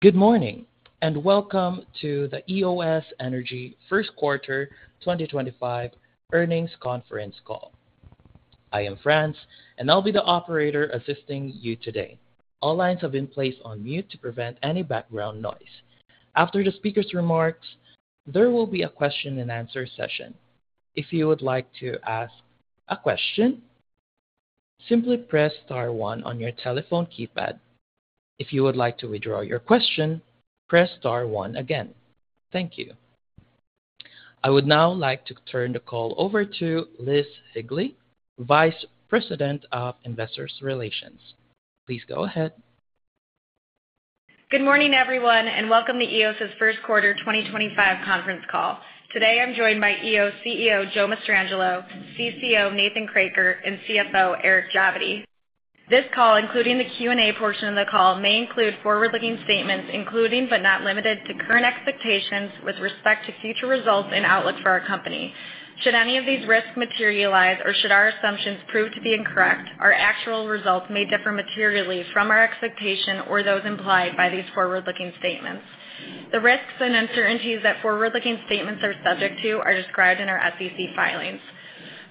Good morning, and welcome to the Eos Energy Enterprises First Quarter 2025 Earnings Conference Call. I am France, and I'll be the operator assisting you today. All lines have been placed on mute to prevent any background noise. After the speaker's remarks, there will be a question-and-answer session. If you would like to ask a question, simply press star one on your telephone keypad. If you would like to withdraw your question, press star one again. Thank you. I would now like to turn the call over to Liz Higley, Vice President of Investor Relations. Please go ahead. Good morning, everyone, and welcome to Eos's First Quarter 2025 Conference Call. Today, I'm joined by Eos CEO Joe Mastrangelo, CCO Nathan Kroeker, and CFO Eric Javidi. This call, including the Q&A portion of the call, may include forward-looking statements including, but not limited to, current expectations with respect to future results and outlook for our company. Should any of these risks materialize, or should our assumptions prove to be incorrect, our actual results may differ materially from our expectation or those implied by these forward-looking statements. The risks and uncertainties that forward-looking statements are subject to are described in our SEC filings.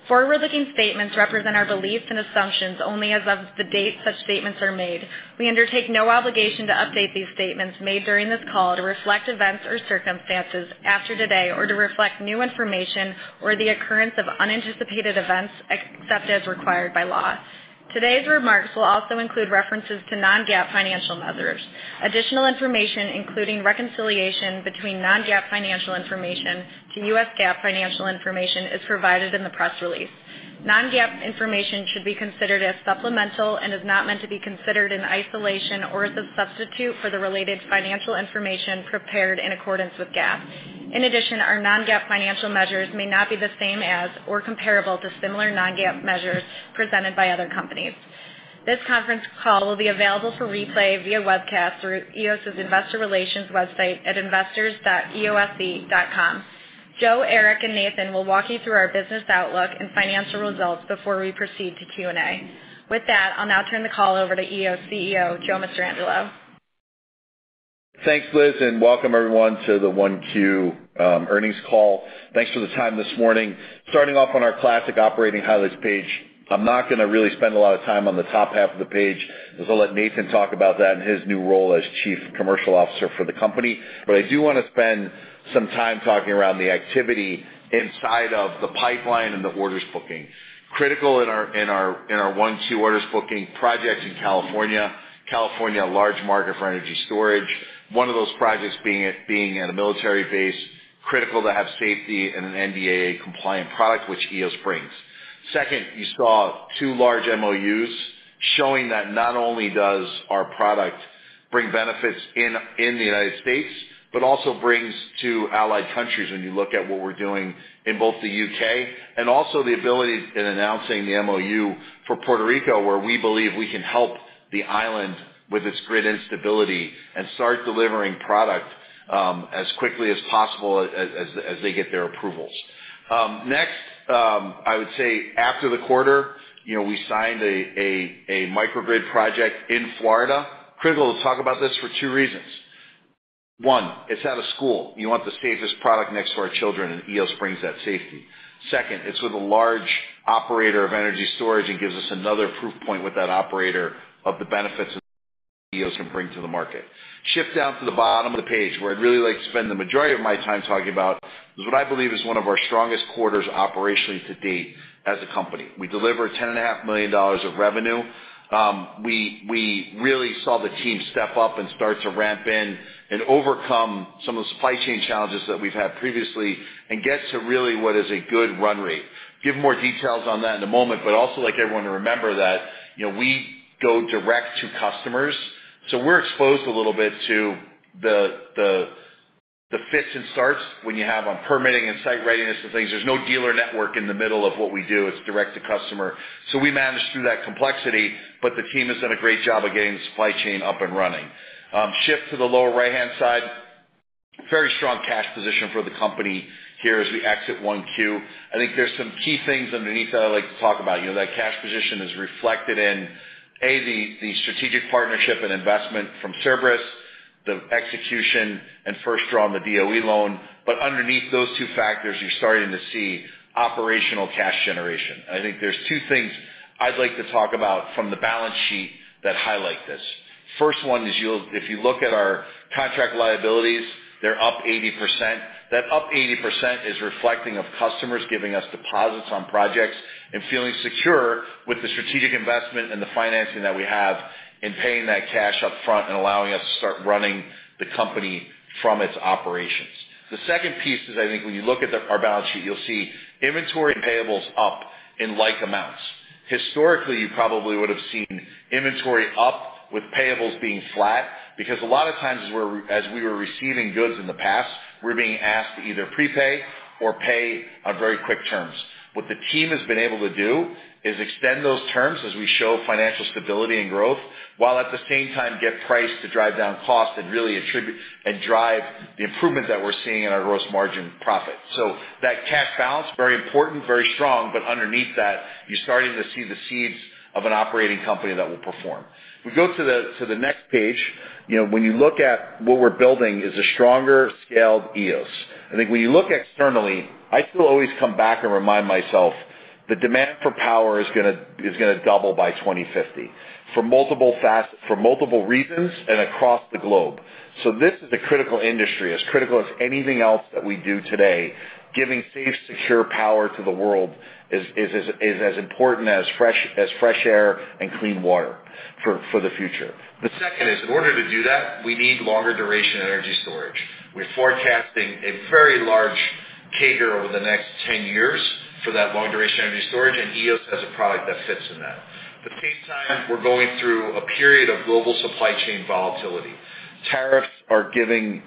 Forward-looking statements represent our beliefs and assumptions only as of the date such statements are made. We undertake no obligation to update these statements made during this call to reflect events or circumstances after today or to reflect new information or the occurrence of unanticipated events except as required by law. Today's remarks will also include references to non-GAAP financial measures. Additional information, including reconciliation between non-GAAP financial information to U.S. GAAP financial information, is provided in the press release. Non-GAAP information should be considered as supplemental and is not meant to be considered in isolation or as a substitute for the related financial information prepared in accordance with GAAP. In addition, our non-GAAP financial measures may not be the same as or comparable to similar non-GAAP measures presented by other companies. This conference call will be available for replay via webcast through Eos's investor relations website at investors.eose.com. Joe, Eric, and Nathan will walk you through our business outlook and financial results before we proceed to Q&A. With that, I'll now turn the call over to Eos CEO Joe Mastrangelo. Thanks, Liz, and welcome everyone to the Q1 earnings call. Thanks for the time this morning. Starting off on our classic operating highlights page, I'm not going to really spend a lot of time on the top half of the page. I'll let Nathan talk about that and his new role as Chief Commercial Officer for the company. I do want to spend some time talking around the activity inside of the pipeline and the orders booking. Critical in our Q1 orders booking projects in California, California a large market for energy storage, one of those projects being at a military base, critical to have safety and an NDAA compliant product, which Eos brings. Second, you saw two large MOUs showing that not only does our product bring benefits in the United States, but also brings to allied countries when you look at what we're doing in both the U.K. and also the ability in announcing the MOU for Puerto Rico, where we believe we can help the island with its grid instability and start delivering product as quickly as possible as they get their approvals. Next, I would say after the quarter, we signed a microgrid project in Florida. Critical to talk about this for two reasons. One, it's at a school. You want the safest product next to our children, and Eos brings that safety. Second, it's with a large operator of energy storage and gives us another proof point with that operator of the benefits that Eos can bring to the market. Shift down to the bottom of the page, where I'd really like to spend the majority of my time talking about, is what I believe is one of our strongest quarters operationally to date as a company. We deliver $10.5 million of revenue. We really saw the team step up and start to ramp in and overcome some of the supply chain challenges that we've had previously and get to really what is a good run rate. Give more details on that in a moment, but I also like everyone to remember that we go direct to customers. So we're exposed a little bit to the fits and starts when you have on permitting and site readiness and things. There's no dealer network in the middle of what we do. It's direct to customer. We manage through that complexity, but the team has done a great job of getting the supply chain up and running. Shift to the lower right-hand side. Very strong cash position for the company here as we exit Q1. I think there's some key things underneath that I'd like to talk about. That cash position is reflected in, A, the strategic partnership and investment from Cerberus, the execution, and first draw on the DOE loan. Underneath those two factors, you're starting to see operational cash generation. I think there's two things I'd like to talk about from the balance sheet that highlight this. First one is if you look at our contract liabilities, they're up 80%. That up 80% is reflecting of customers giving us deposits on projects and feeling secure with the strategic investment and the financing that we have in paying that cash upfront and allowing us to start running the company from its operations. The second piece is I think when you look at our balance sheet, you'll see inventory and payables up in like amounts. Historically, you probably would have seen inventory up with payables being flat because a lot of times as we were receiving goods in the past, we're being asked to either prepay or pay on very quick terms. What the team has been able to do is extend those terms as we show financial stability and growth, while at the same time get price to drive down cost and really attribute and drive the improvement that we're seeing in our gross margin profit. That cash balance, very important, very strong, but underneath that, you're starting to see the seeds of an operating company that will perform. We go to the next page. When you look at what we're building is a stronger scaled Eos. I think when you look externally, I still always come back and remind myself the demand for power is going to double by 2050 for multiple reasons and across the globe. This is a critical industry. As critical as anything else that we do today, giving safe, secure power to the world is as important as fresh air and clean water for the future. The second is in order to do that, we need longer duration energy storage. We're forecasting a very large CAGR over the next 10 years for that long duration energy storage, and Eos has a product that fits in that. At the same time, we're going through a period of global supply chain volatility. Tariffs are giving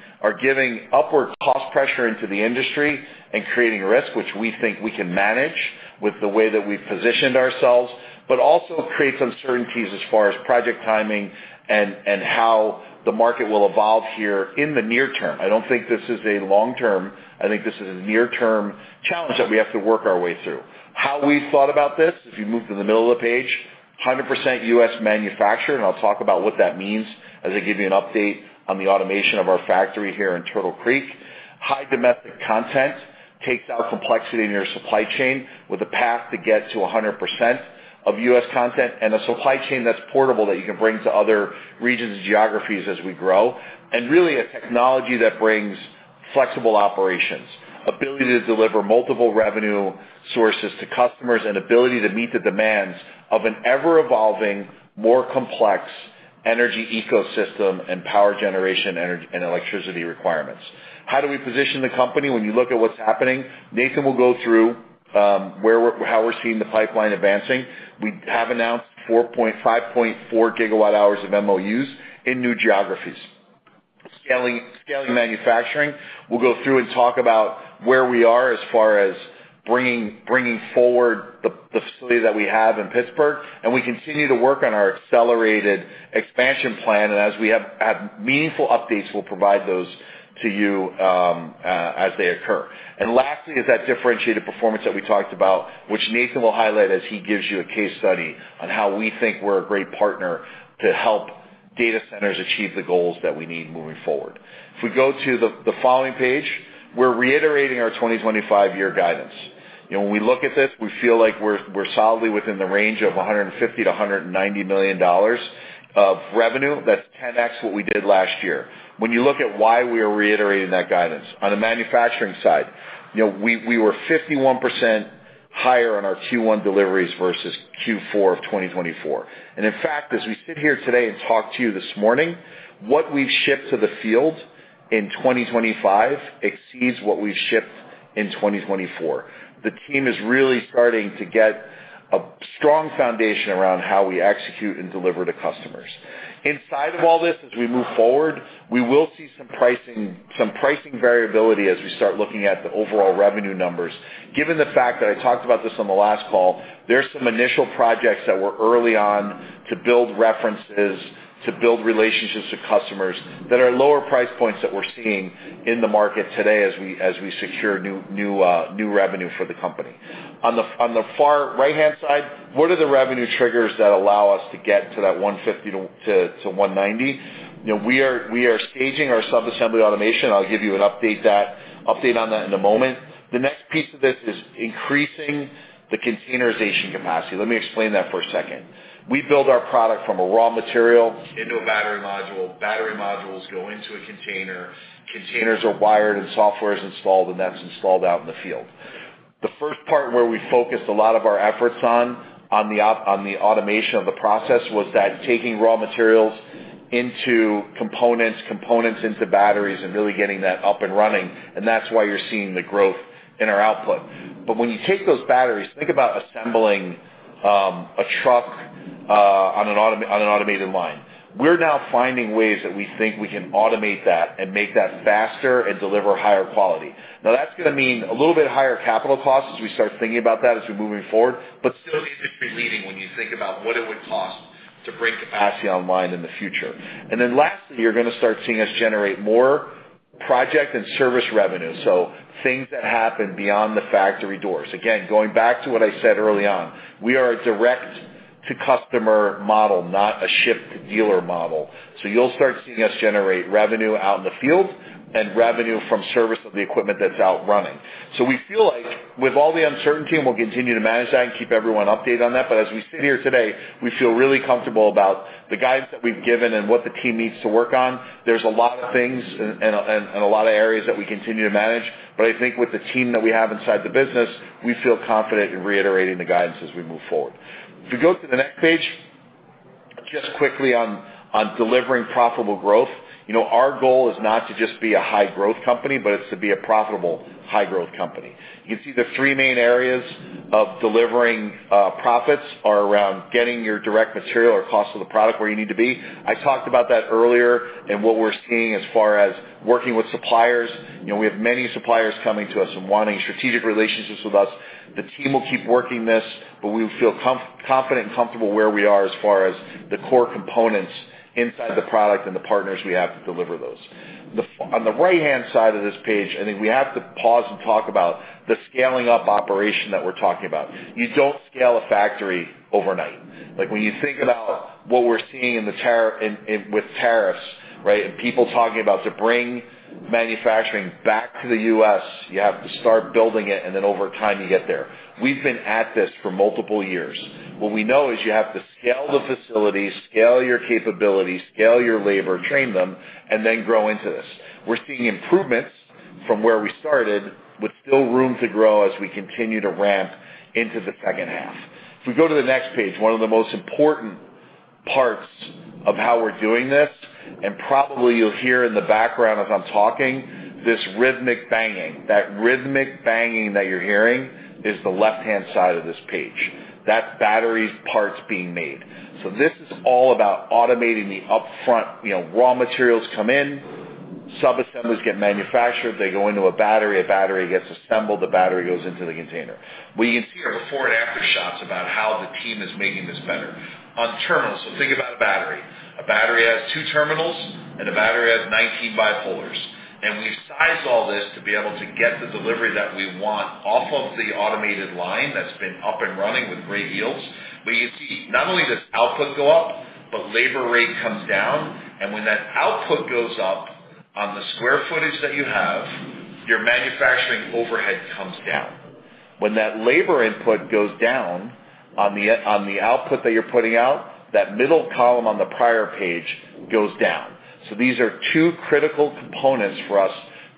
upward cost pressure into the industry and creating risk, which we think we can manage with the way that we've positioned ourselves, but also creates uncertainties as far as project timing and how the market will evolve here in the near term. I don't think this is a long-term. I think this is a near-term challenge that we have to work our way through. How we've thought about this, if you moved to the middle of the page, 100% US manufactured, and I'll talk about what that means as I give you an update on the automation of our factory here in Turtle Creek. High domestic content takes out complexity in your supply chain with a path to get to 100% of US content and a supply chain that's portable that you can bring to other regions and geographies as we grow, and really a technology that brings flexible operations, ability to deliver multiple revenue sources to customers, and ability to meet the demands of an ever-evolving, more complex energy ecosystem and power generation and electricity requirements. How do we position the company when you look at what's happening? Nathan will go through how we're seeing the pipeline advancing. We have announced 4.54 GWh of MOUs in new geographies. Scaling manufacturing. We'll go through and talk about where we are as far as bringing forward the facility that we have in Pittsburgh, and we continue to work on our accelerated expansion plan. As we have meaningful updates, we will provide those to you as they occur. Lastly, that differentiated performance that we talked about, which Nathan will highlight as he gives you a case study on how we think we are a great partner to help data centers achieve the goals that we need moving forward. If we go to the following page, we are reiterating our 2025 year guidance. When we look at this, we feel like we are solidly within the range of $150 million-$190 million of revenue. That is 10x what we did last year. When you look at why we are reiterating that guidance, on the manufacturing side, we were 51% higher on our Q1 deliveries versus Q4 of 2024. In fact, as we sit here today and talk to you this morning, what we have shipped to the field in 2025 exceeds what we shipped in 2024. The team is really starting to get a strong foundation around how we execute and deliver to customers. Inside of all this, as we move forward, we will see some pricing variability as we start looking at the overall revenue numbers. Given the fact that I talked about this on the last call, there are some initial projects that were early on to build references, to build relationships with customers that are lower price points that we're seeing in the market today as we secure new revenue for the company. On the far right-hand side, what are the revenue triggers that allow us to get to that $150 million-$190 million? We are staging our subassembly automation. I'll give you an update on that in a moment. The next piece of this is increasing the containerization capacity. Let me explain that for a second. We build our product from a raw material into a battery module. Battery modules go into a container. Containers are wired and software is installed, and that's installed out in the field. The first part where we focused a lot of our efforts on the automation of the process was that taking raw materials into components, components into batteries, and really getting that up and running. That is why you're seeing the growth in our output. When you take those batteries, think about assembling a truck on an automated line. We're now finding ways that we think we can automate that and make that faster and deliver higher quality. That is going to mean a little bit higher capital costs as we start thinking about that as we're moving forward, but still industry-leading when you think about what it would cost to bring capacity online in the future. Lastly, you're going to start seeing us generate more project and service revenue. Things that happen beyond the factory doors. Again, going back to what I said early on, we are a direct-to-customer model, not a ship-to-dealer model. You'll start seeing us generate revenue out in the field and revenue from service of the equipment that's out running. We feel like with all the uncertainty, and we'll continue to manage that and keep everyone updated on that. As we sit here today, we feel really comfortable about the guidance that we've given and what the team needs to work on. There are a lot of things and a lot of areas that we continue to manage. I think with the team that we have inside the business, we feel confident in reiterating the guidance as we move forward. If we go to the next page, just quickly on delivering profitable growth, our goal is not to just be a high-growth company, but it's to be a profitable high-growth company. You can see the three main areas of delivering profits are around getting your direct material or cost of the product where you need to be. I talked about that earlier and what we're seeing as far as working with suppliers. We have many suppliers coming to us and wanting strategic relationships with us. The team will keep working this, but we will feel confident and comfortable where we are as far as the core components inside the product and the partners we have to deliver those. On the right-hand side of this page, I think we have to pause and talk about the scaling-up operation that we're talking about. You don't scale a factory overnight. When you think about what we're seeing with tariffs and people talking about to bring manufacturing back to the US, you have to start building it, and then over time you get there. We've been at this for multiple years. What we know is you have to scale the facilities, scale your capabilities, scale your labor, train them, and then grow into this. We're seeing improvements from where we started, but still room to grow as we continue to ramp into the second half. If we go to the next page, one of the most important parts of how we're doing this, and probably you'll hear in the background as I'm talking, this rhythmic banging. That rhythmic banging that you're hearing is the left-hand side of this page. That's batteries, parts being made. This is all about automating the upfront. Raw materials come in, subassemblies get manufactured, they go into a battery, a battery gets assembled, the battery goes into the container. What you can see are before and after shots about how the team is making this better. On terminals, so think about a battery. A battery has two terminals, and a battery has 19 bipolars. We have sized all this to be able to get the delivery that we want off of the automated line that has been up and running with great yields. You can see not only does output go up, but labor rate comes down. When that output goes up on the square footage that you have, your manufacturing overhead comes down. When that labor input goes down on the output that you are putting out, that middle column on the prior page goes down. These are two critical components for us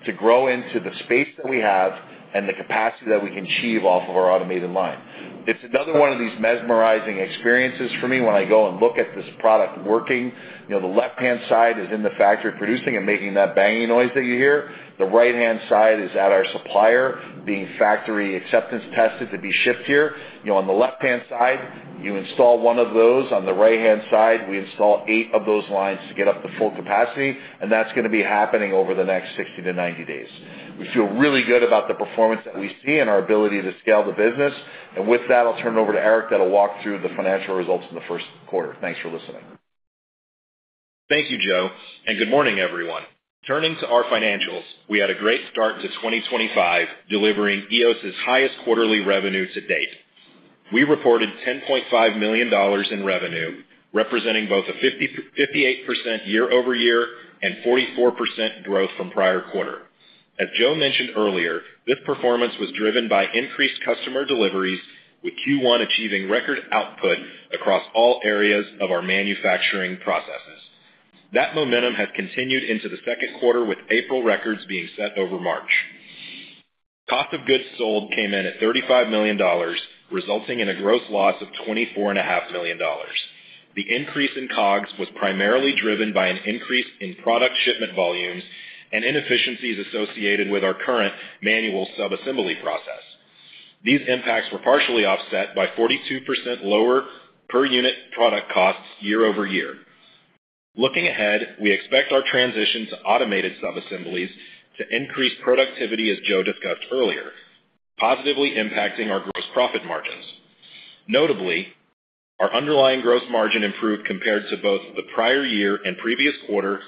to grow into the space that we have and the capacity that we can achieve off of our automated line. It is another one of these mesmerizing experiences for me when I go and look at this product working. The left-hand side is in the factory producing and making that banging noise that you hear. The right-hand side is at our supplier being factory acceptance tested to be shipped here. On the left-hand side, you install one of those. On the right-hand side, we install eight of those lines to get up to full capacity. That is going to be happening over the next 60-90 days. We feel really good about the performance that we see and our ability to scale the business. With that, I'll turn it over to Eric that'll walk through the financial results in the first quarter. Thanks for listening. Thank you, Joe. Good morning, everyone. Turning to our financials, we had a great start to 2025 delivering Eos's highest quarterly revenue to date. We reported $10.5 million in revenue, representing both a 58% year-over-year and 44% growth from prior quarter. As Joe mentioned earlier, this performance was driven by increased customer deliveries, with Q1 achieving record output across all areas of our manufacturing processes. That momentum has continued into the second quarter, with April records being set over March. Cost of goods sold came in at $35 million, resulting in a gross loss of $24.5 million. The increase in COGS was primarily driven by an increase in product shipment volumes and inefficiencies associated with our current manual subassembly process. These impacts were partially offset by 42% lower per unit product costs year-over-year. Looking ahead, we expect our transition to automated subassemblies to increase productivity, as Joe discussed earlier, positively impacting our gross profit margins. Notably, our underlying gross margin improved compared to both the prior year and previous quarter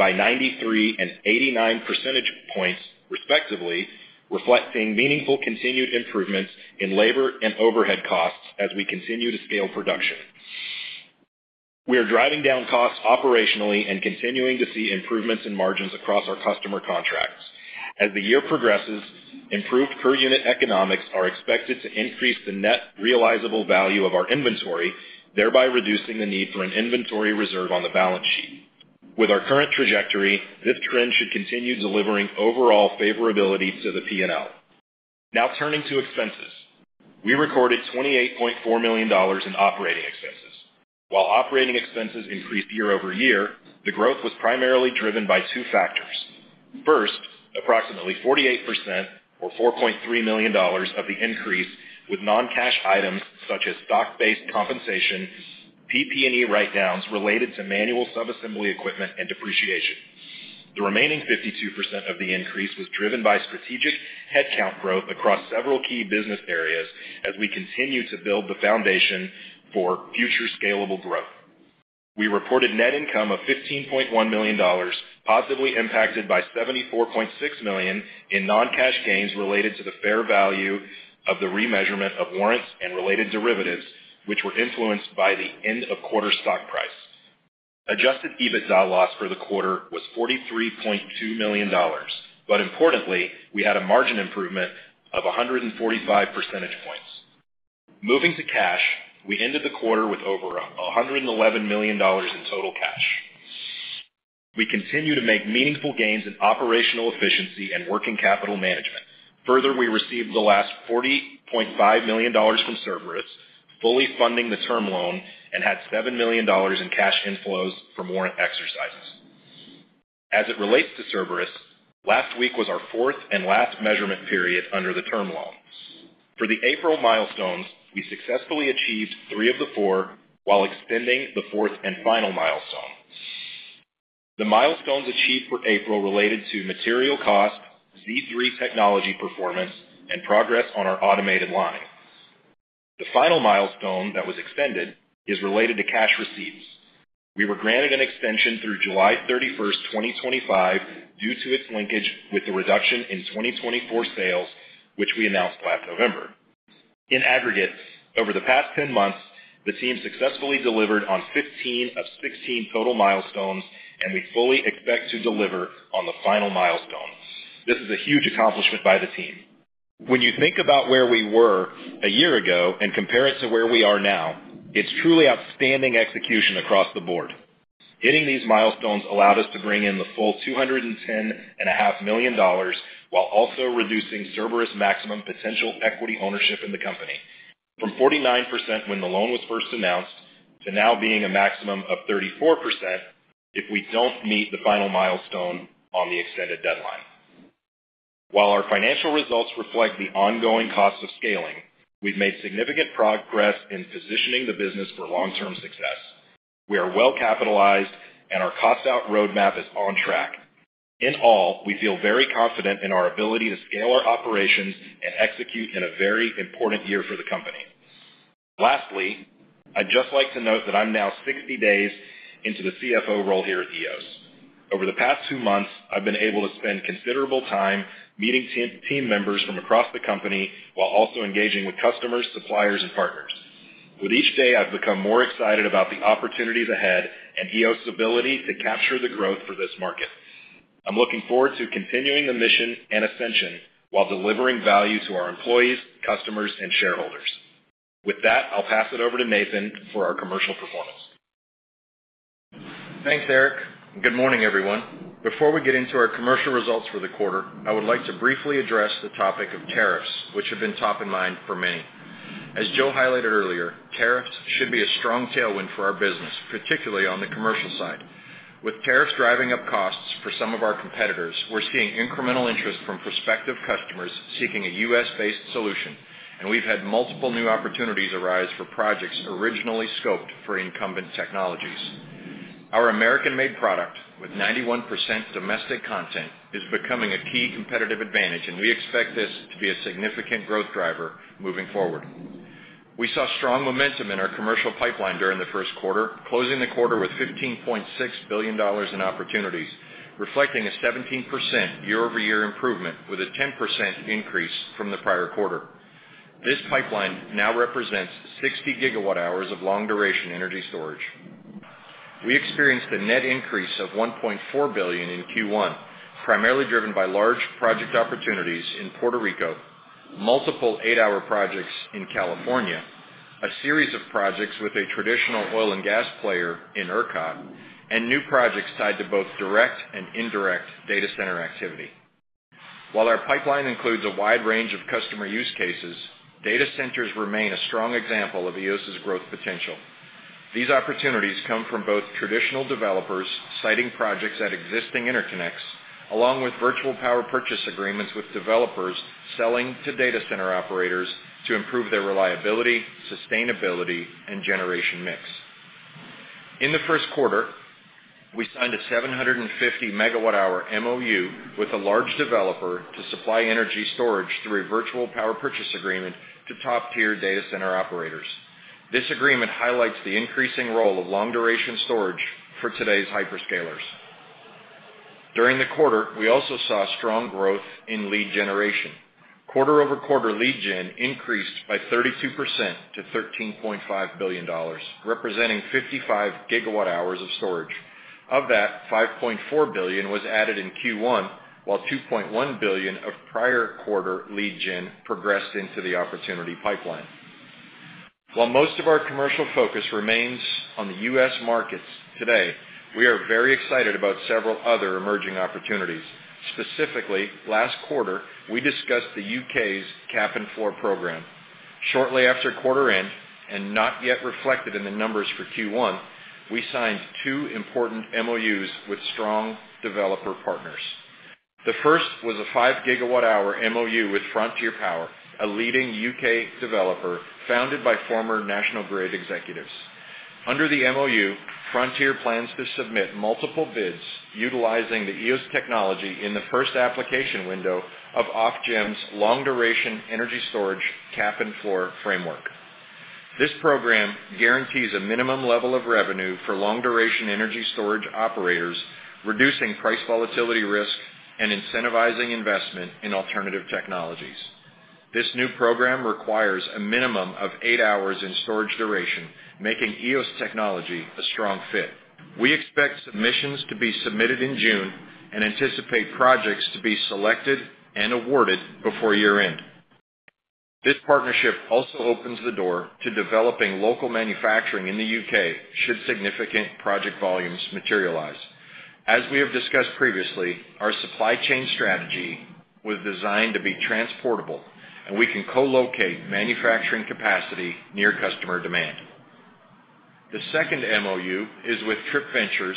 by 93 and 89 percentage points, respectively, reflecting meaningful continued improvements in labor and overhead costs as we continue to scale production. We are driving down costs operationally and continuing to see improvements in margins across our customer contracts. As the year progresses, improved per unit economics are expected to increase the net realizable value of our inventory, thereby reducing the need for an inventory reserve on the balance sheet. With our current trajectory, this trend should continue delivering overall favorability to the P&L. Now turning to expenses. We recorded $28.4 million in operating expenses. While operating expenses increased year-over-year, the growth was primarily driven by two factors. First, approximately 48% or $4.3 million of the increase was non-cash items such as stock-based compensation, PP&E write-downs related to manual subassembly equipment and depreciation. The remaining 52% of the increase was driven by strategic headcount growth across several key business areas as we continue to build the foundation for future scalable growth. We reported net income of $15.1 million, positively impacted by $74.6 million in non-cash gains related to the fair value of the remeasurement of warrants and related derivatives, which were influenced by the end-of-quarter stock price. Adjusted EBITDA loss for the quarter was $43.2 million. Importantly, we had a margin improvement of 145 percentage points. Moving to cash, we ended the quarter with over $111 million in total cash. We continue to make meaningful gains in operational efficiency and working capital management. Further, we received the last $40.5 million from Cerberus, fully funding the term loan, and had $7 million in cash inflows from warrant exercises. As it relates to Cerberus, last week was our fourth and last measurement period under the term loan. For the April milestones, we successfully achieved three of the four while extending the fourth and final milestone. The milestones achieved for April related to material cost, Z3 technology performance, and progress on our automated line. The final milestone that was extended is related to cash receipts. We were granted an extension through July 31, 2025, due to its linkage with the reduction in 2024 sales, which we announced last November. In aggregate, over the past 10 months, the team successfully delivered on 15 of 16 total milestones, and we fully expect to deliver on the final milestone. This is a huge accomplishment by the team. When you think about where we were a year ago and compare it to where we are now, it's truly outstanding execution across the board. Hitting these milestones allowed us to bring in the full $210.5 million while also reducing Cerberus' maximum potential equity ownership in the company from 49% when the loan was first announced to now being a maximum of 34% if we don't meet the final milestone on the extended deadline. While our financial results reflect the ongoing cost of scaling, we've made significant progress in positioning the business for long-term success. We are well capitalized, and our cost-out roadmap is on track. In all, we feel very confident in our ability to scale our operations and execute in a very important year for the company. Lastly, I'd just like to note that I'm now 60 days into the CFO role here at Eos. Over the past two months, I've been able to spend considerable time meeting team members from across the company while also engaging with customers, suppliers, and partners. With each day, I've become more excited about the opportunities ahead and Eos's ability to capture the growth for this market. I'm looking forward to continuing the mission and ascension while delivering value to our employees, customers, and shareholders. With that, I'll pass it over to Nathan for our commercial performance. Thanks, Eric. Good morning, everyone. Before we get into our commercial results for the quarter, I would like to briefly address the topic of tariffs, which have been top of mind for many. As Joe highlighted earlier, tariffs should be a strong tailwind for our business, particularly on the commercial side. With tariffs driving up costs for some of our competitors, we're seeing incremental interest from prospective customers seeking a US-based solution, and we've had multiple new opportunities arise for projects originally scoped for incumbent technologies. Our American-made product with 91% domestic content is becoming a key competitive advantage, and we expect this to be a significant growth driver moving forward. We saw strong momentum in our commercial pipeline during the first quarter, closing the quarter with $15.6 billion in opportunities, reflecting a 17% year-over-year improvement with a 10% increase from the prior quarter. This pipeline now represents 60 GWh of long-duration energy storage. We experienced a net increase of $1.4 billion in Q1, primarily driven by large project opportunities in Puerto Rico, multiple eight-hour projects in California, a series of projects with a traditional oil and gas player in Ercot, and new projects tied to both direct and indirect data center activity. While our pipeline includes a wide range of customer use cases, data centers remain a strong example of Eos's growth potential. These opportunities come from both traditional developers citing projects at existing interconnects, along with virtual power purchase agreements with developers selling to data center operators to improve their reliability, sustainability, and generation mix. In the first quarter, we signed a 750 MWh MOU with a large developer to supply energy storage through a virtual power purchase agreement to top-tier data center operators. This agreement highlights the increasing role of long-duration storage for today's hyperscalers. During the quarter, we also saw strong growth in lead generation. Quarter-over-quarter, lead gen increased by 32% to $13.5 billion, representing 55 GWh of storage. Of that, $5.4 billion was added in Q1, while $2.1 billion of prior quarter lead gen progressed into the opportunity pipeline. While most of our commercial focus remains on the U.S. markets today, we are very excited about several other emerging opportunities. Specifically, last quarter, we discussed the U.K.'s Cap and Floor program. Shortly after quarter-end, and not yet reflected in the numbers for Q1, we signed two important MOUs with strong developer partners. The first was a 5 GWh MOU with Frontier Power, a leading U.K. developer founded by former National Grid executives. Under the MOU, Frontier plans to submit multiple bids utilizing the Eos technology in the first application window of Ofgem's long-duration energy storage Cap and Floor framework. This program guarantees a minimum level of revenue for long-duration energy storage operators, reducing price volatility risk and incentivizing investment in alternative technologies. This new program requires a minimum of eight hours in storage duration, making Eos technology a strong fit. We expect submissions to be submitted in June and anticipate projects to be selected and awarded before year-end. This partnership also opens the door to developing local manufacturing in the U.K. should significant project volumes materialize. As we have discussed previously, our supply chain strategy was designed to be transportable, and we can co-locate manufacturing capacity near customer demand. The second MOU is with Trip Ventures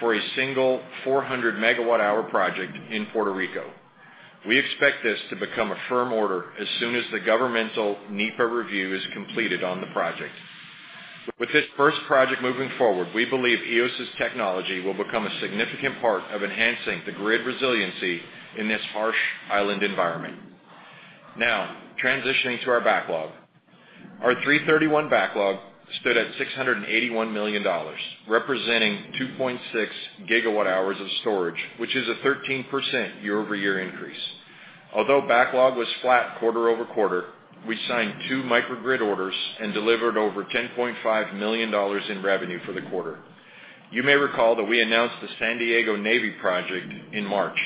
for a single 400 MWh project in Puerto Rico. We expect this to become a firm order as soon as the governmental NEPA review is completed on the project. With this first project moving forward, we believe Eos's technology will become a significant part of enhancing the grid resiliency in this harsh island environment. Now, transitioning to our backlog. Our 3/31 backlog stood at $681 million, representing 2.6 GWh of storage, which is a 13% year-over-year increase. Although backlog was flat quarter-over-quarter, we signed two microgrid orders and delivered over $10.5 million in revenue for the quarter. You may recall that we announced the San Diego Navy project in March.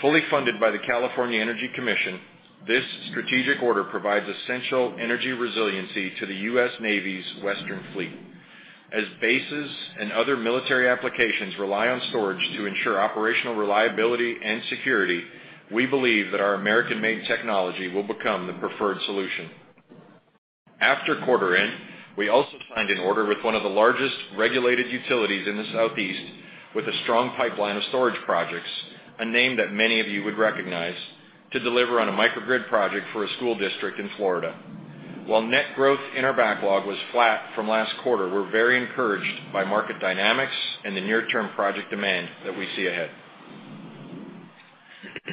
Fully funded by the California Energy Commission, this strategic order provides essential energy resiliency to the U.S. Navy's western fleet. As bases and other military applications rely on storage to ensure operational reliability and security, we believe that our American-made technology will become the preferred solution. After quarter-end, we also signed an order with one of the largest regulated utilities in the Southeast with a strong pipeline of storage projects, a name that many of you would recognize, to deliver on a microgrid project for a school district in Florida. While net growth in our backlog was flat from last quarter, we're very encouraged by market dynamics and the near-term project demand that we see ahead.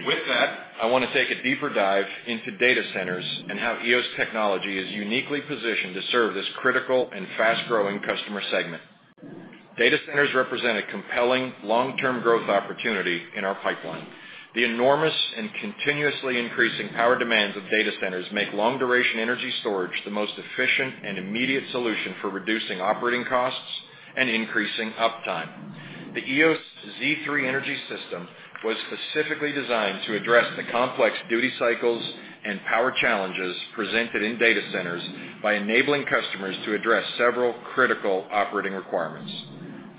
With that, I want to take a deeper dive into data centers and how Eos technology is uniquely positioned to serve this critical and fast-growing customer segment. Data centers represent a compelling long-term growth opportunity in our pipeline. The enormous and continuously increasing power demands of data centers make long-duration energy storage the most efficient and immediate solution for reducing operating costs and increasing uptime. The Eos Z3 energy system was specifically designed to address the complex duty cycles and power challenges presented in data centers by enabling customers to address several critical operating requirements.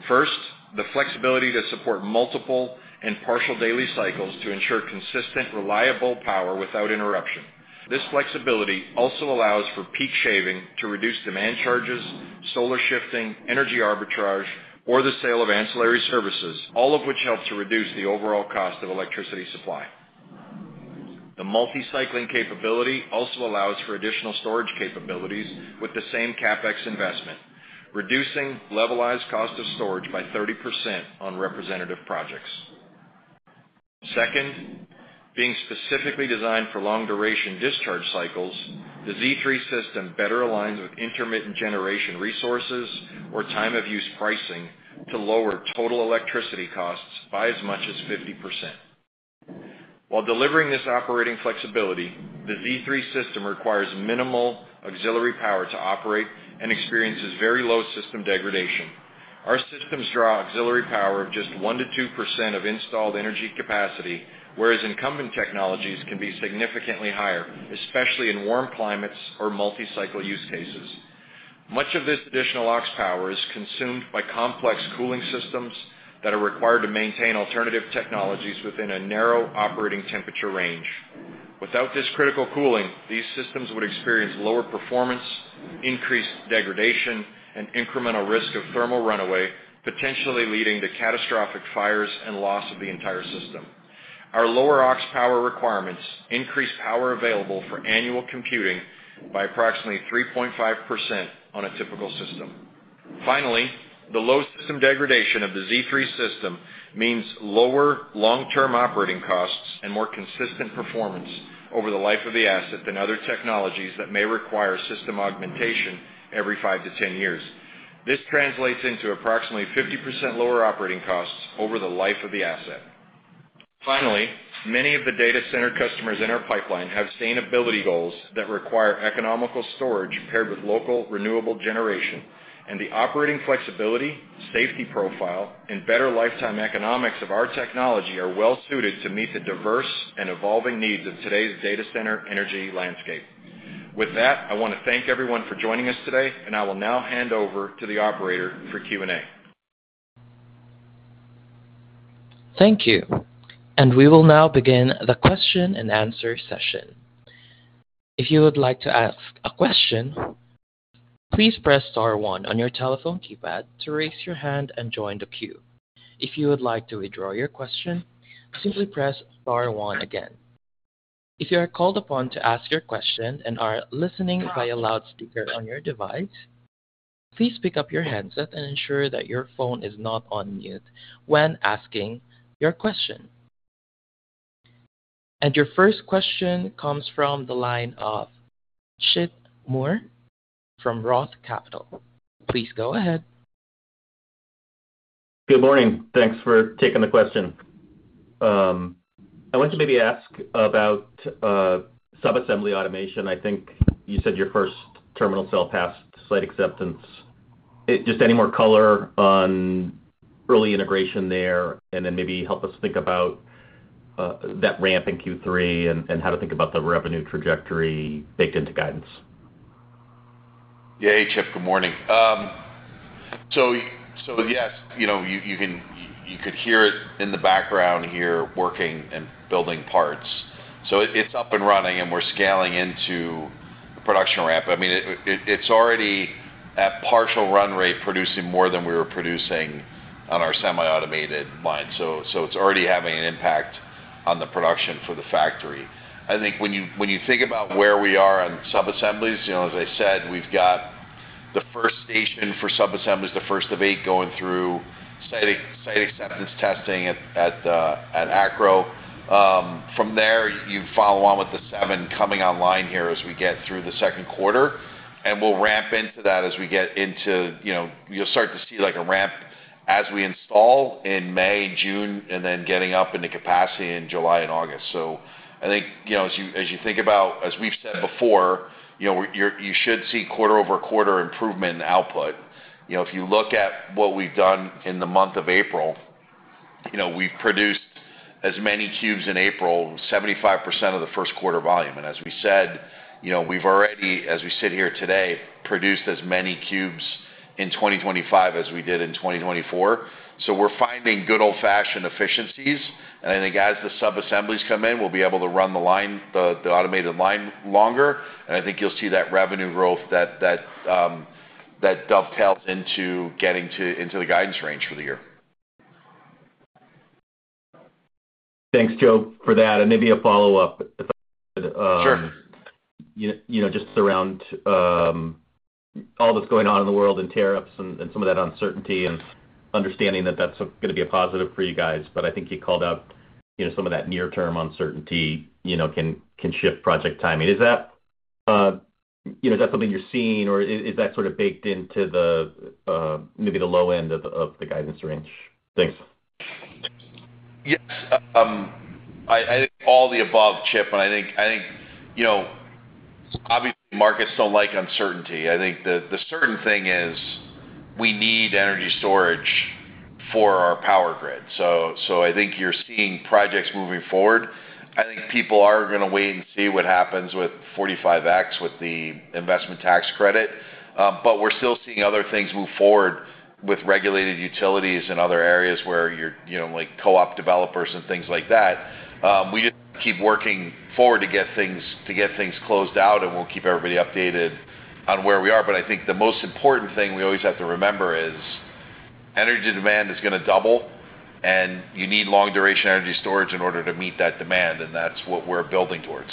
First, the flexibility to support multiple and partial daily cycles to ensure consistent, reliable power without interruption. This flexibility also allows for peak shaving to reduce demand charges, solar shifting, energy arbitrage, or the sale of ancillary services, all of which help to reduce the overall cost of electricity supply. The multi-cycling capability also allows for additional storage capabilities with the same CapEx investment, reducing levelized cost of storage by 30% on representative projects. Second, being specifically designed for long-duration discharge cycles, the Z3 system better aligns with intermittent generation resources or time-of-use pricing to lower total electricity costs by as much as 50%. While delivering this operating flexibility, the Z3 system requires minimal auxiliary power to operate and experiences very low system degradation. Our systems draw auxiliary power of just 1%-2% of installed energy capacity, whereas incumbent technologies can be significantly higher, especially in warm climates or multi-cycle use cases. Much of this additional aux power is consumed by complex cooling systems that are required to maintain alternative technologies within a narrow operating temperature range. Without this critical cooling, these systems would experience lower performance, increased degradation, and incremental risk of thermal runaway, potentially leading to catastrophic fires and loss of the entire system. Our lower aux power requirements increase power available for annual computing by approximately 3.5% on a typical system. Finally, the low system degradation of the Z3 system means lower long-term operating costs and more consistent performance over the life of the asset than other technologies that may require system augmentation every 5 to 10 years. This translates into approximately 50% lower operating costs over the life of the asset. Finally, many of the data center customers in our pipeline have sustainability goals that require economical storage paired with local renewable generation, and the operating flexibility, safety profile, and better lifetime economics of our technology are well-suited to meet the diverse and evolving needs of today's data center energy landscape. With that, I want to thank everyone for joining us today, and I will now hand over to the operator for Q&A. Thank you. We will now begin the question and answer session. If you would like to ask a question, please press star one on your telephone keypad to raise your hand and join the queue. If you would like to withdraw your question, simply press star one again. If you are called upon to ask your question and are listening via loudspeaker on your device, please pick up your headset and ensure that your phone is not on mute when asking your question. Your first question comes from the line of Chip Moore from Roth Capital. Please go ahead. Good morning. Thanks for taking the question. I want to maybe ask about subassembly automation. I think you said your first terminal cell passed site acceptance. Just any more color on early integration there and then maybe help us think about that ramp in Q3 and how to think about the revenue trajectory baked into guidance. Yeah, Chip, good morning. Yes, you could hear it in the background here working and building parts. It's up and running, and we're scaling into production ramp. I mean, it's already at partial run rate, producing more than we were producing on our semi-automated line. It's already having an impact on the production for the factory. I think when you think about where we are on sub-assemblies, as I said, we've got the first station for sub-assemblies, the first of eight, going through site acceptance testing at Acro. From there, you follow on with the seven coming online here as we get through the second quarter, and we'll ramp into that as we get into—you'll start to see a ramp as we install in May, June, and then getting up into capacity in July and August. I think as you think about, as we've said before, you should see quarter-over-quarter improvement in output. If you look at what we've done in the month of April, we've produced as many cubes in April, 75% of the first quarter volume. As we said, we've already, as we sit here today, produced as many cubes in 2025 as we did in 2024. We're finding good old-fashioned efficiencies. I think as the subassemblies come in, we'll be able to run the automated line longer. I think you'll see that revenue growth that dovetails into getting into the guidance range for the year. Thanks, Joe, for that. Maybe a follow-up. Sure. Just around all that's going on in the world and tariffs and some of that uncertainty and understanding that that's going to be a positive for you guys. I think you called out some of that near-term uncertainty can shift project timing. Is that something you're seeing, or is that sort of baked into maybe the low end of the guidance range? Thanks. Yes. I think all the above, Chip. I think obviously, markets do not like uncertainty. I think the certain thing is we need energy storage for our power grid. I think you're seeing projects moving forward. I think people are going to wait and see what happens with 45X with the investment tax credit. We are still seeing other things move forward with regulated utilities and other areas where you are co-op developers and things like that. We just keep working forward to get things closed out, and we will keep everybody updated on where we are. I think the most important thing we always have to remember is energy demand is going to double, and you need long-duration energy storage in order to meet that demand. That's what we're building towards.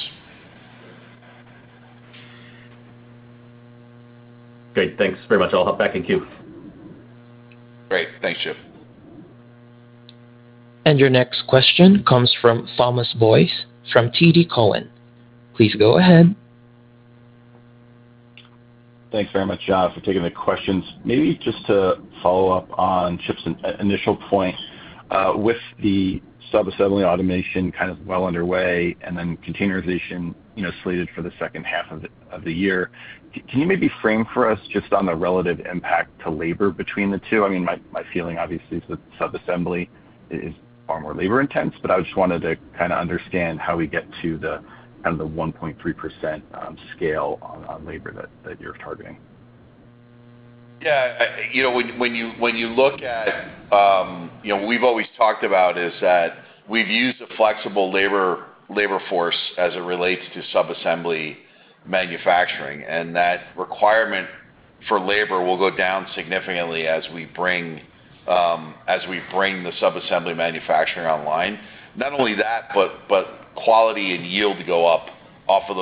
Great. Thanks very much. I'll hop back in queue. Great. Thanks, Chip. Your next question comes from Thomas Boyes from TD Cowen. Please go ahead. Thanks very much, John, for taking the questions. Maybe just to follow up on Chip's initial point, with the subassembly automation kind of well underway and then containerization slated for the second half of the year, can you maybe frame for us just on the relative impact to labor between the two? I mean, my feeling obviously is that subassembly is far more labor-intense, but I just wanted to kind of understand how we get to the kind of the 1.3% scale on labor that you're targeting? Yeah. When you look at what we've always talked about is that we've used a flexible labor force as it relates to subassembly manufacturing, and that requirement for labor will go down significantly as we bring the subassembly manufacturing online. Not only that, but quality and yield go up off of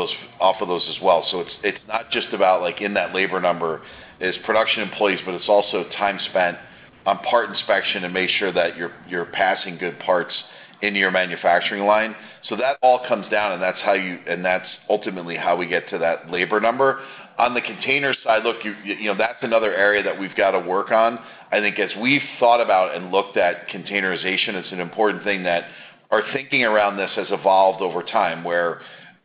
those as well. It's not just about in that labor number is production employees, but it's also time spent on part inspection to make sure that you're passing good parts in your manufacturing line. That all comes down, and that's ultimately how we get to that labor number. On the container side, look, that's another area that we've got to work on. I think as we've thought about and looked at containerization, it's an important thing that our thinking around this has evolved over time, where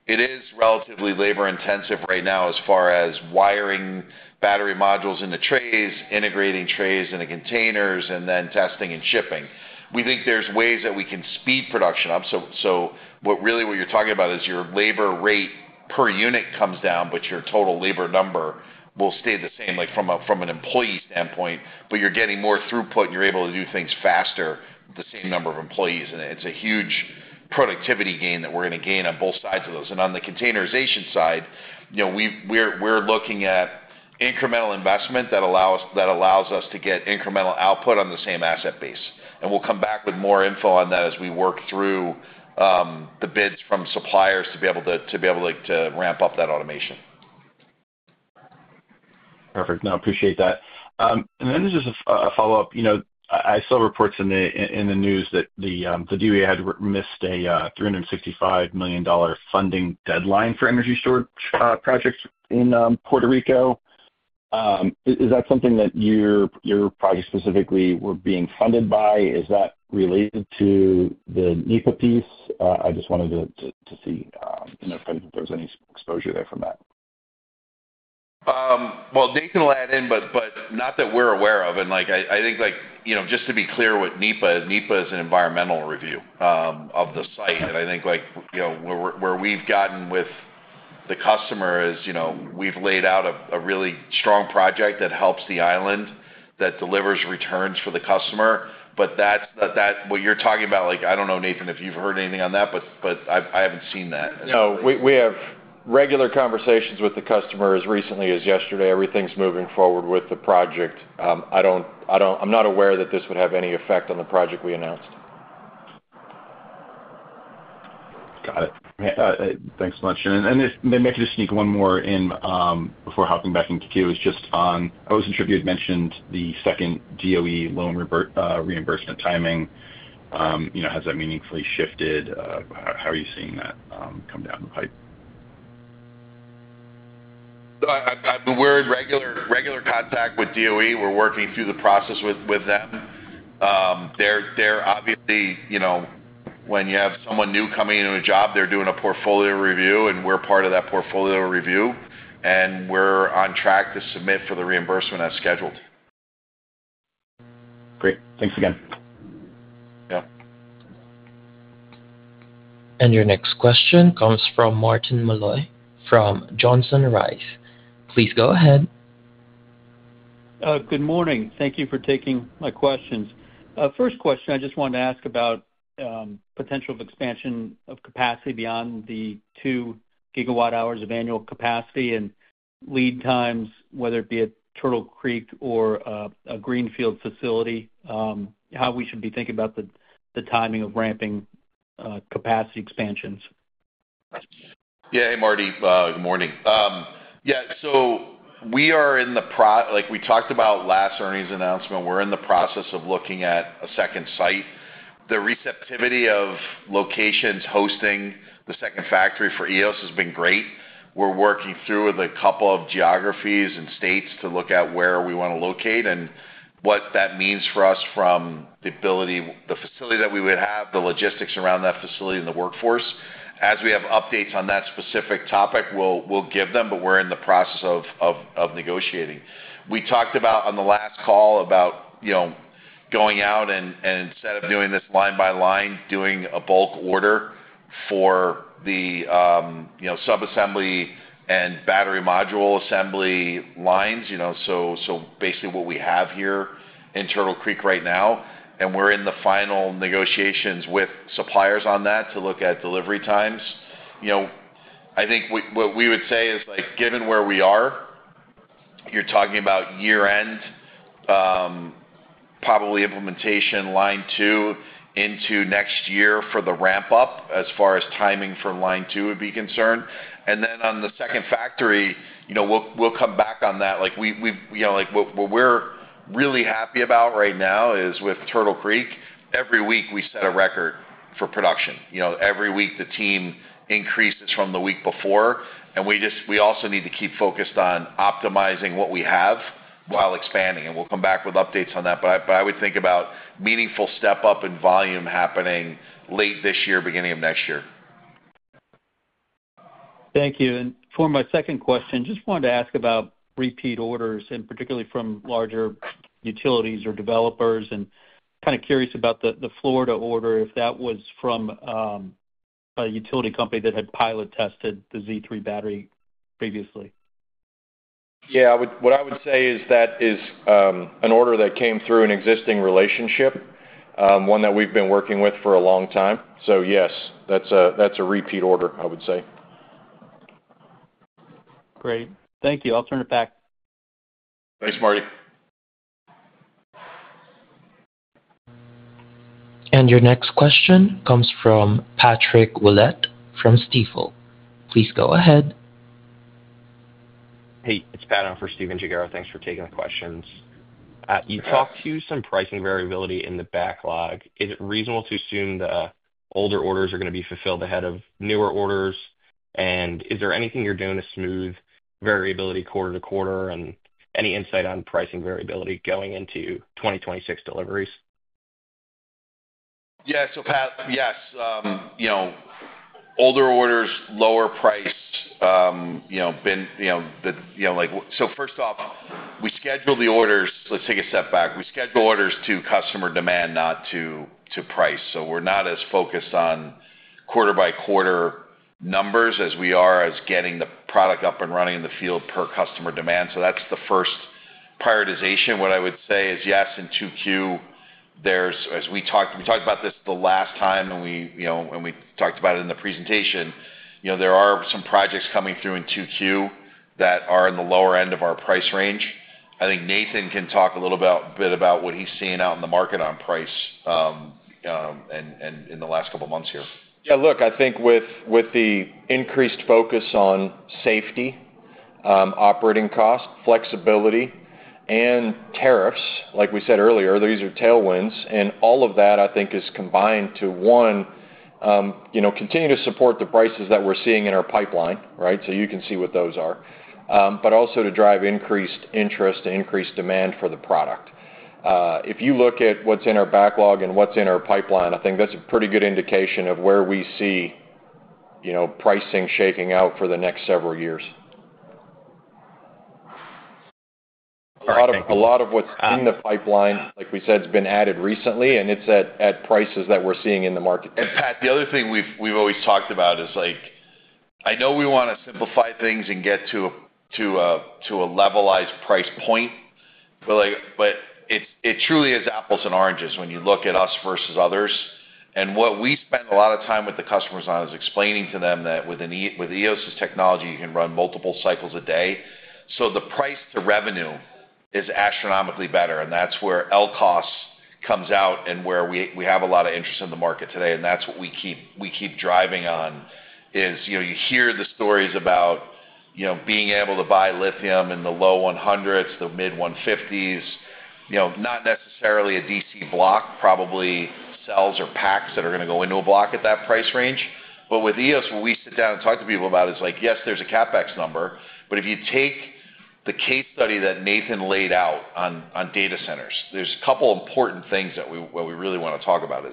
it is relatively labor-intensive right now as far as wiring battery modules into trays, integrating trays into containers, and then testing and shipping. We think there's ways that we can speed production up. Really what you're talking about is your labor rate per unit comes down, but your total labor number will stay the same from an employee standpoint. You're getting more throughput, and you're able to do things faster with the same number of employees. It's a huge productivity gain that we're going to gain on both sides of those. On the containerization side, we're looking at incremental investment that allows us to get incremental output on the same asset base. We'll come back with more info on that as we work through the bids from suppliers to be able to ramp up that automation. Perfect. No, I appreciate that. This is a follow up. I saw reports in the news that the DOE had missed a $365 million funding deadline for energy storage projects in Puerto Rico. Is that something that your project specifically were being funded by? Is that related to the NEPA piece? I just wanted to see if there was any exposure there from that. They can add in, but not that we're aware of. I think just to be clear with NEPA, NEPA is an environmental review of the site. I think where we've gotten with the customer is we've laid out a really strong project that helps the island, that delivers returns for the customer. That is what you are talking about. I do not know, Nathan, if you have heard anything on that, but I have not seen that. No. We have regular conversations with the customers as recently as yesterday. Everything is moving forward with the project. I am not aware that this would have any effect on the project we announced. Got it. Thanks so much. Maybe I could just sneak one more in before hopping back into queue. I was not sure if you had mentioned the second DOE loan reimbursement timing. Has that meaningfully shifted? How are you seeing that come down the pipe? I have been in regular contact with DOE. We are working through the process with them. They are obviously, when you have someone new coming into a job, they are doing a portfolio review, and we are part of that portfolio review. We are on track to submit for the reimbursement as scheduled. Great. Thanks again. Yeah. Your next question comes from Martin Malloy from Johnson Rice. Please go ahead. Good morning. Thank you for taking my questions. First question, I just wanted to ask about potential of expansion of capacity beyond the 2 GWh of annual capacity and lead times, whether it be at Turtle Creek or a greenfield facility, how we should be thinking about the timing of ramping capacity expansions. Yeah. Hey, Marty. Good morning. Yeah. We are in the we talked about last earnings announcement. We're in the process of looking at a second site. The receptivity of locations hosting the second factory for Eos has been great. We're working through with a couple of geographies and states to look at where we want to locate and what that means for us from the ability, the facility that we would have, the logistics around that facility, and the workforce. As we have updates on that specific topic, we'll give them, but we're in the process of negotiating. We talked about on the last call about going out and instead of doing this line by line, doing a bulk order for the subassembly and battery module assembly lines. Basically what we have here in Turtle Creek right now, and we're in the final negotiations with suppliers on that to look at delivery times. I think what we would say is given where we are, you're talking about year-end, probably implementation line two into next year for the ramp-up as far as timing for line two would be concerned. On the second factory, we'll come back on that. What we're really happy about right now is with Turtle Creek, every week we set a record for production. Every week the team increases from the week before. We also need to keep focused on optimizing what we have while expanding. We'll come back with updates on that. I would think about meaningful step-up in volume happening late this year, beginning of next year. Thank you. For my second question, just wanted to ask about repeat orders, and particularly from larger utilities or developers. Kind of curious about the Florida order, if that was from a utility company that had pilot tested the Z3 battery previously. Yeah. What I would say is that is an order that came through an existing relationship, one that we've been working with for a long time. Yes, that's a repeat order, I would say. Great. Thank you. I'll turn it back. Thanks, Marty. Your next question comes from Patrick Willette from Stifel. Please go ahead. Hey, it's Padam for Stephen Gengaro. Thanks for taking the questions. You talked to some pricing variability in the backlog. Is it reasonable to assume the older orders are going to be fulfilled ahead of newer orders? Is there anything you're doing to smooth variability quarter to quarter and any insight on pricing variability going into 2026 deliveries? Yeah. Pad, yes. Older orders, lower price, so first off, we schedule the orders—let's take a step back. We schedule orders to customer demand, not to price. We're not as focused on quarter-by-quarter numbers as we are on getting the product up and running in the field per customer demand. That's the first prioritization. What I would say is yes, in 2Q, as we talked, we talked about this the last time, and we talked about it in the presentation. There are some projects coming through in 2Q that are in the lower end of our price range. I think Nathan can talk a little bit about what he's seeing out in the market on price in the last couple of months here. Yeah. Look, I think with the increased focus on safety, operating cost, flexibility, and tariffs, like we said earlier, these are tailwinds. All of that, I think, is combined to, one, continue to support the prices that we're seeing in our pipeline, right? You can see what those are. Also to drive increased interest and increased demand for the product. If you look at what's in our backlog and what's in our pipeline, I think that's a pretty good indication of where we see pricing shaking out for the next several years. A lot of what's in the pipeline, like we said, has been added recently, and it's at prices that we're seeing in the market. Pat, the other thing we've always talked about is I know we want to simplify things and get to a levelized price point, but it truly is apples and oranges when you look at us versus others. What we spend a lot of time with the customers on is explaining to them that with Eos's technology, you can run multiple cycles a day. The price to revenue is astronomically better. That is where LCOS comes out and where we have a lot of interest in the market today. That's what we keep driving on is you hear the stories about being able to buy lithium in the low $100s, the mid $150s, not necessarily a DC block, probably cells or packs that are going to go into a block at that price range. With Eos, what we sit down and talk to people about is like, yes, there's a CapEx number. If you take the case study that Nathan laid out on data centers, there's a couple of important things that we really want to talk about.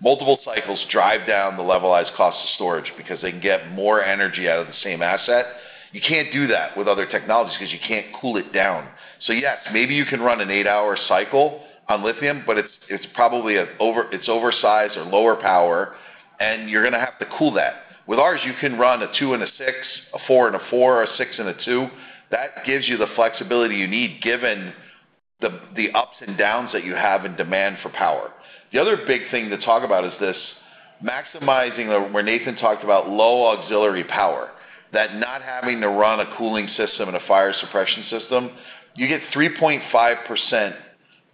Multiple cycles drive down the levelized cost of storage because they can get more energy out of the same asset. You can't do that with other technologies because you can't cool it down. Yes, maybe you can run an eight-hour cycle on lithium, but it's probably oversized or lower power, and you're going to have to cool that. With ours, you can run a two and a six, a four and a four, a six and a two. That gives you the flexibility you need given the ups and downs that you have in demand for power. The other big thing to talk about is this maximizing where Nathan talked about low auxiliary power, that not having to run a cooling system and a fire suppression system, you get 3.5%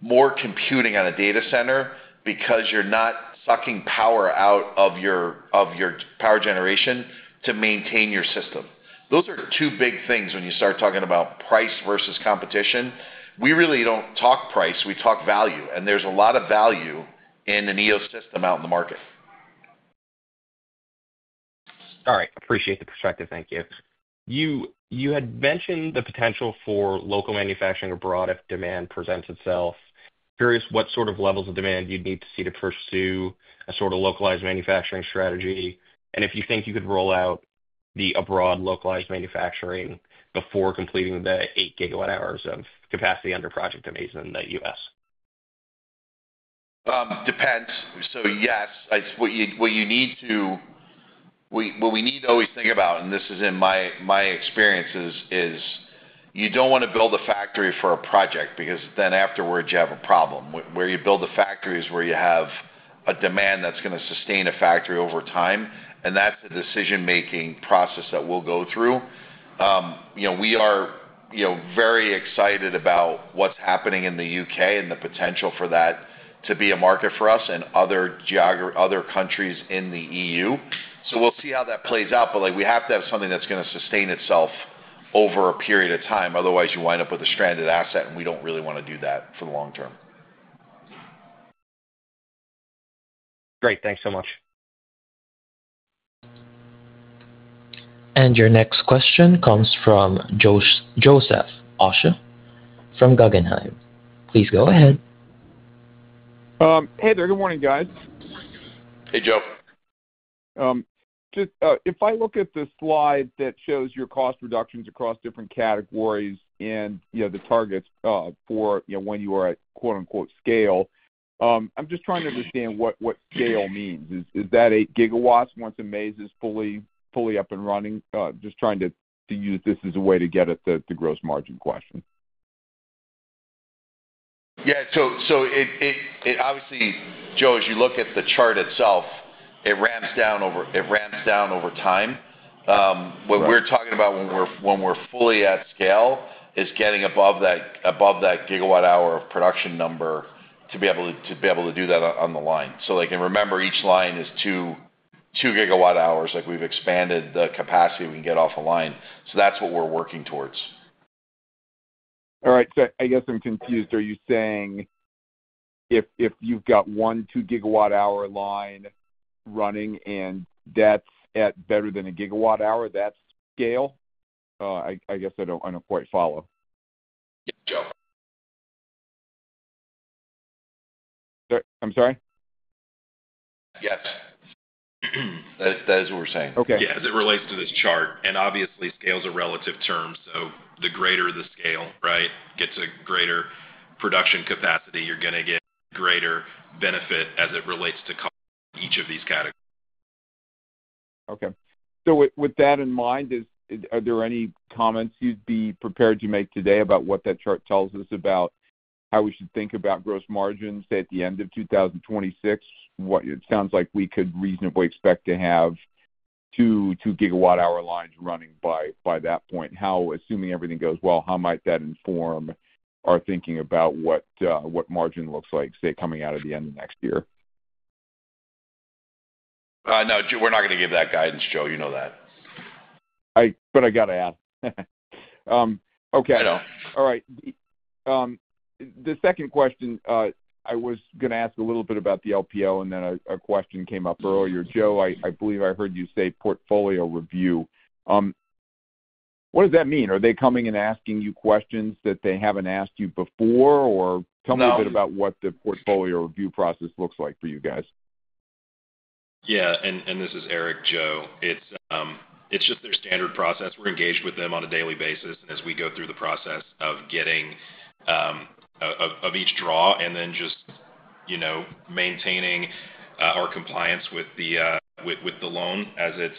more computing on a data center because you're not sucking power out of your power generation to maintain your system. Those are two big things when you start talking about price versus competition. We really don't talk price. We talk value. There is a lot of value in an EOS system out in the market. All right. Appreciate the perspective. Thank you. You had mentioned the potential for local manufacturing abroad if demand presents itself. Curious what sort of levels of demand you'd need to see to pursue a sort of localized manufacturing strategy and if you think you could roll out the abroad localized manufacturing before completing the 8 GWh of capacity under Project Amazon in the U.S. Depends. Yes, what you need to what we need to always think about, and this is in my experiences, is you do not want to build a factory for a project because then afterwards you have a problem. Where you build the factory is where you have a demand that is going to sustain a factory over time. That is a decision-making process that we will go through. We are very excited about what's happening in the U.K. and the potential for that to be a market for us and other countries in the EU. We'll see how that plays out. We have to have something that's going to sustain itself over a period of time. Otherwise, you wind up with a stranded asset, and we don't really want to do that for the long term. Great. Thanks so much. Your next question comes from Joseph Osha from Guggenheim. Please go ahead. Hey there. Good morning, guys. Hey, Joe. If I look at the slide that shows your cost reductions across different categories and the targets for when you are at "scale," I'm just trying to understand what scale means. Is that 8 GW once Amaze is fully up and running? Just trying to use this as a way to get at the gross margin question. Yeah. So obviously, Joe, as you look at the chart itself, it ramps down over time. What we're talking about when we're fully at scale is getting above that gigawatt-hour of production number to be able to do that on the line. Remember, each line is 2 GWh. We've expanded the capacity we can get off a line. That's what we're working towards. All right. I guess I'm confused. Are you saying if you've got one 2 GWh line running and that's at better than a gigawatt-hour, that's scale? I guess I don't quite follow. Yeah, Joe. I'm sorry? Yes. That is what we're saying. Okay. Yeah. As it relates to this chart. Obviously, scale is a relative term. The greater the scale, right, gets a greater production capacity. You're going to get greater benefit as it relates to each of these categories. Okay. With that in mind, are there any comments you'd be prepared to make today about what that chart tells us about how we should think about gross margins at the end of 2026? It sounds like we could reasonably expect to have 2 GWh lines running by that point. Assuming everything goes well, how might that inform our thinking about what margin looks like, say, coming out at the end of next year? No, we're not going to give that guidance, Joe. You know that. I got to ask. Okay. The second question, I was going to ask a little bit about the LPO, and then a question came up earlier. Joe, I believe I heard you say portfolio review. What does that mean? Are they coming and asking you questions that they have not asked you before? Or tell me a bit about what the portfolio review process looks like for you guys. Yeah. And this is Eric, Joe. It is just their standard process. We are engaged with them on a daily basis as we go through the process of getting each draw and then just maintaining our compliance with the loan as it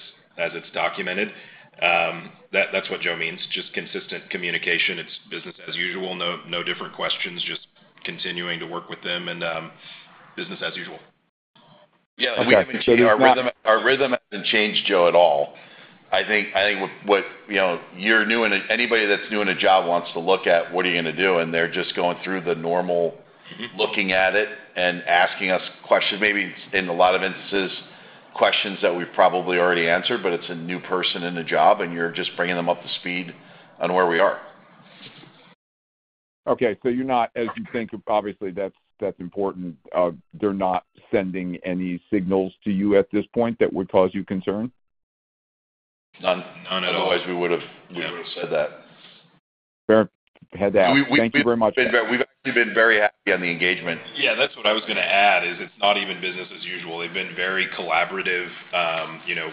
is documented. That is what Joe means. Just consistent communication. It is business as usual. No different questions. Just continuing to work with them and business as usual. Yeah. Our rhythm has not changed, Joe, at all. I think when you are new and anybody that is new in a job wants to look at, what are you going to do? They are just going through the normal looking at it and asking us questions. Maybe in a lot of instances, questions that we've probably already answered, but it's a new person in the job, and you're just bringing them up to speed on where we are. Okay. So you're not, as you think, obviously, that's important. They're not sending any signals to you at this point that would cause you concern? None at all. Otherwise, we would have said that. Fair. Head to head. Thank you very much. We've actually been very happy on the engagement. Yeah. That's what I was going to add is it's not even business as usual. They've been very collaborative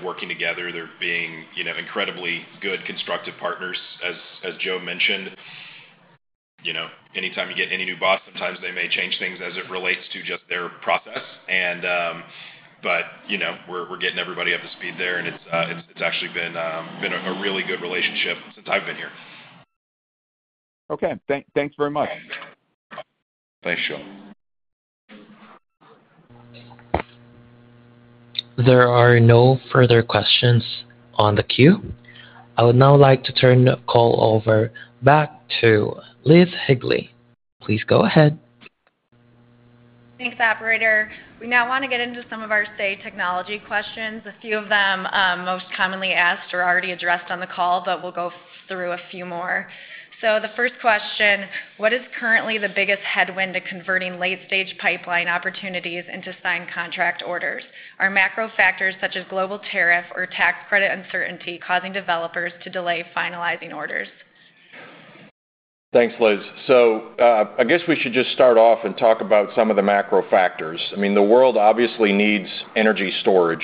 working together. They're being incredibly good, constructive partners, as Joe mentioned. Anytime you get any new boss, sometimes they may change things as it relates to just their process. But we're getting everybody up to speed there, and it's actually been a really good relationship since I've been here. Okay. Thanks very much. Thanks, Joe. There are no further questions on the queue. I would now like to turn the call over back to Liz Higley. Please go ahead. Thanks, operator. We now want to get into some of our state technology questions. A few of them most commonly asked are already addressed on the call, but we'll go through a few more. The first question, what is currently the biggest headwind to converting late-stage pipeline opportunities into signed contract orders? Are macro factors such as global tariff or tax credit uncertainty causing developers to delay finalizing orders? Thanks, Liz. I guess we should just start off and talk about some of the macro factors. I mean, the world obviously needs energy storage.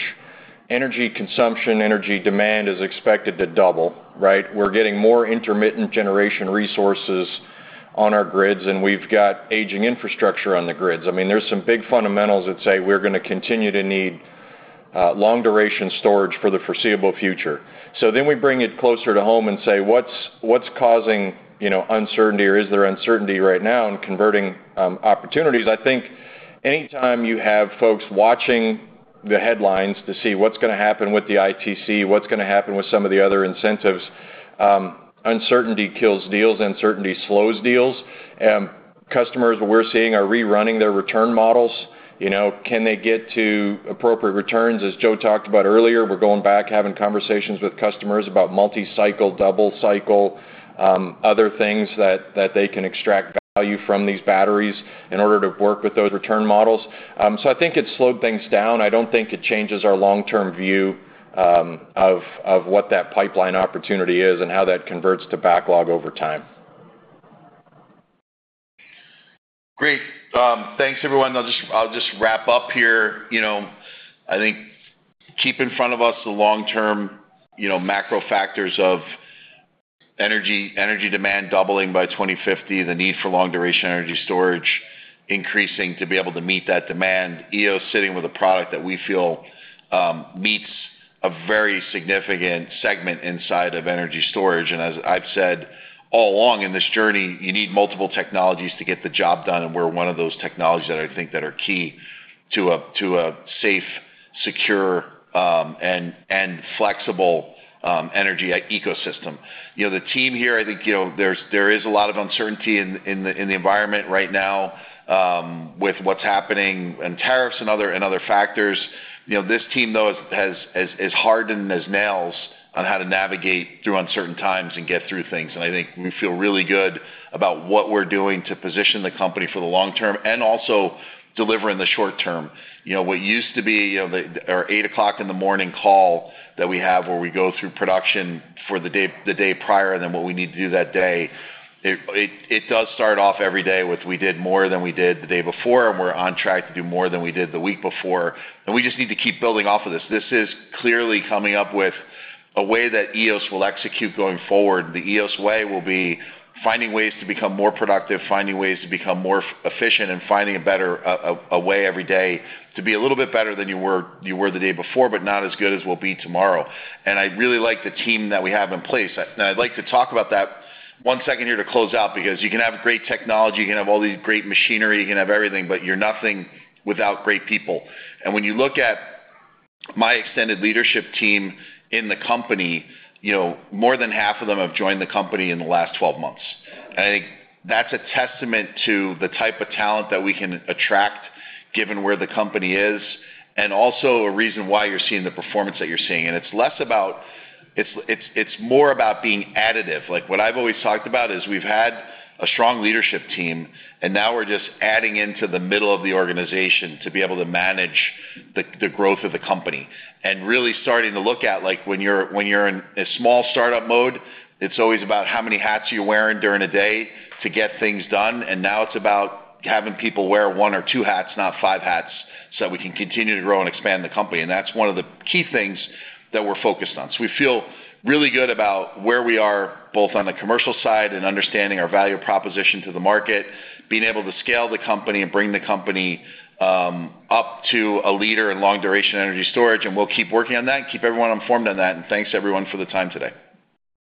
Energy consumption, energy demand is expected to double, right? We're getting more intermittent generation resources on our grids, and we've got aging infrastructure on the grids. I mean, there are some big fundamentals that say we're going to continue to need long-duration storage for the foreseeable future. We bring it closer to home and say, what's causing uncertainty, or is there uncertainty right now in converting opportunities? I think anytime you have folks watching the headlines to see what's going to happen with the ITC, what's going to happen with some of the other incentives, uncertainty kills deals. Uncertainty slows deals. Customers that we're seeing are rerunning their return models. Can they get to appropriate returns? As Joe talked about earlier, we're going back, having conversations with customers about multi-cycle, double-cycle, other things that they can extract value from these batteries in order to work with those return models. I think it slowed things down. I do not think it changes our long-term view of what that pipeline opportunity is and how that converts to backlog over time. Great. Thanks, everyone. I will just wrap up here. I think keep in front of us the long-term macro factors of energy demand doubling by 2050, the need for long-duration energy storage increasing to be able to meet that demand. Eos is sitting with a product that we feel meets a very significant segment inside of energy storage. As I have said all along in this journey, you need multiple technologies to get the job done. We are one of those technologies that I think are key to a safe, secure, and flexible energy ecosystem. The team here, I think there is a lot of uncertainty in the environment right now with what is happening and tariffs and other factors. This team, though, is hardened as nails on how to navigate through uncertain times and get through things. I think we feel really good about what we're doing to position the company for the long term and also deliver in the short term. What used to be our 8:00 A.M. call that we have where we go through production for the day prior and what we need to do that day, it does start off every day with, "We did more than we did the day before, and we're on track to do more than we did the week before." We just need to keep building off of this. This is clearly coming up with a way that Eos will execute going forward. The Eos way will be finding ways to become more productive, finding ways to become more efficient, and finding a better way every day to be a little bit better than you were the day before, but not as good as we'll be tomorrow. I really like the team that we have in place. I'd like to talk about that one second here to close out because you can have great technology. You can have all these great machinery. You can have everything, but you're nothing without great people. When you look at my extended leadership team in the company, more than half of them have joined the company in the last 12 months. I think that's a testament to the type of talent that we can attract given where the company is and also a reason why you're seeing the performance that you're seeing. It is less about, it is more about being additive. What I have always talked about is we have had a strong leadership team, and now we are just adding into the middle of the organization to be able to manage the growth of the company and really starting to look at when you are in a small startup mode, it is always about how many hats are you wearing during a day to get things done. Now it is about having people wear one or two hats, not five hats, so that we can continue to grow and expand the company. That is one of the key things that we are focused on. We feel really good about where we are both on the commercial side and understanding our value proposition to the market, being able to scale the company and bring the company up to a leader in long-duration energy storage. We will keep working on that and keep everyone informed on that. Thanks to everyone for the time today.